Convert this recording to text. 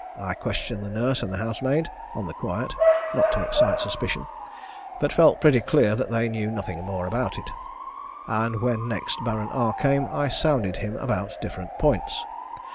I questioned the nurse and the housemaid on the quiet, not to excite suspicion but felt pretty clear they knew nothing more about it; and when next Baron R came I sounded him about different points.